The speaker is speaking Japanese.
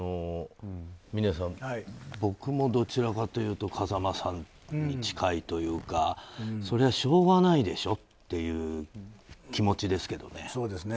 峰さん、僕もどちらかというと風間さんに近いというかそれはしょうがないでしょうという気持ちですけどね。